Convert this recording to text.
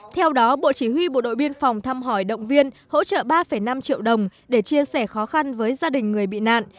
theo đó bộ chỉ huy bộ đội biên phòng thăm hỏi động viên hỗ trợ ba năm triệu đồng để chia sẻ khó khăn với gia đình người bị nạn